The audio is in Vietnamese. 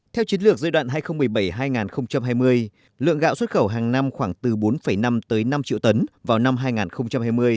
theo chiến lược giai đoạn hai nghìn một mươi bảy hai nghìn hai mươi lượng gạo xuất khẩu hàng năm khoảng từ bốn năm tới năm triệu tấn vào năm hai nghìn hai mươi